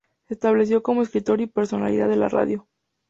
Se estableció como escritor y personalidad de la radio.